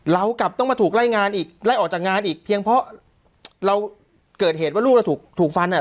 เรากลับต้องมาถูกไล่งานอีกไล่ออกจากงานอีกเพียงเพราะเราเกิดเหตุว่าลูกเราถูกฟันอ่ะ